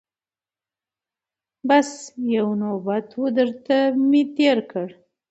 بس یو نوبت وو درته مي تېر کړ